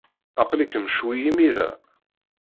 Aql-ikem ccwi imir-a?